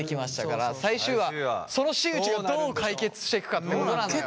最終話その新内がどう解決していくかってことなのよ。